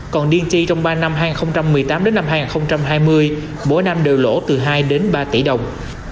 còn dinti trong ba năm hai nghìn một mươi tám hai nghìn hai mươi bổ năm đều lỗ từ hai ba tỷ đồng